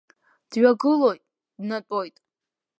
Дҩагылоит, днатәоит.